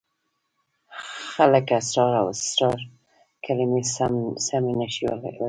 خلک اسرار او اصرار کلمې سمې نشي ویلای.